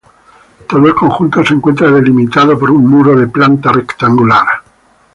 Todo el conjunto se encuentra delimitado por un muro de planta rectangular.